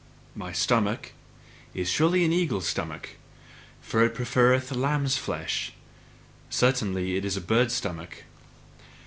My stomach is surely an eagle's stomach? For it preferreth lamb's flesh. Certainly it is a bird's stomach.